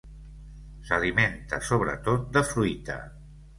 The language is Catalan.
S'alimenta sobretot de fruita.